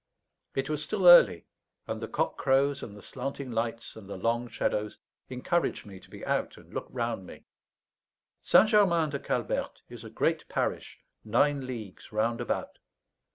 It was still early, and the cockcrows, and the slanting lights, and the long shadows, encouraged me to be out and look round me. St. Germain de Calberte is a great parish nine leagues round about.